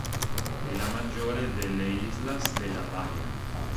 È la maggiore delle Islas de la Bahía.